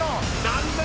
［残念！